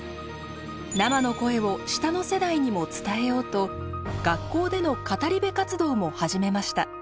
生の声を下の世代にも伝えようと学校での語り部活動も始めました。